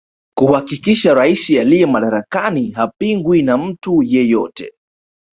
Kuhakikisha rais aliye madarakani hapingwi na mtu yeyote